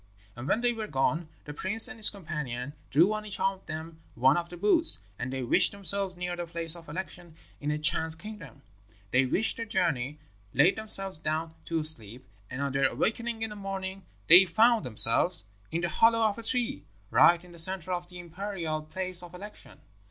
"And when they were gone, the prince and his companion drew on each of them one of the boots, and they wished themselves near the place of election in a Chan's kingdom. They wished their journey, laid themselves down to sleep, and on their awaking in the morning they found themselves in the hollow of a tree, right in the centre of the imperial place of election.